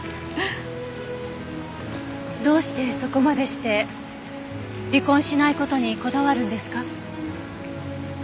どうしてそこまでして離婚しない事にこだわるんですか？